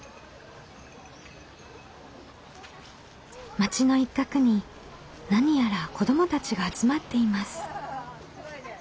町の一角に何やら子どもたちが集まっています。